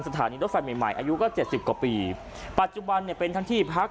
สถานีรถไฟใหม่ใหม่อายุก็เจ็ดสิบกว่าปีปัจจุบันเนี่ยเป็นทั้งที่พัก